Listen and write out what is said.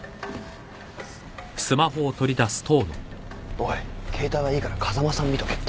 おい携帯はいいから風間さん見とけって。